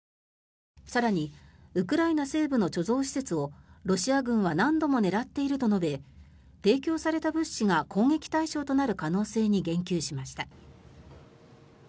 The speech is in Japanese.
更にウクライナ西部の貯蔵施設をロシア軍は何度も狙っていると述べ提供された物資が攻撃対象となる可能性に言及しました。